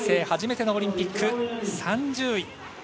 初めてのオリンピック３０位。